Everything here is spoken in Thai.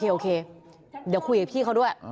เดี๋ยวคุยกับพี่ก็ด้วย